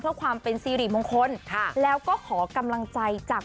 เพื่อความเป็นสิริมงคลค่ะแล้วก็ขอกำลังใจจาก